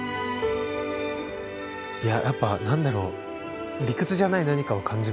いややっぱ何だろう理屈じゃない何かを感じますよね。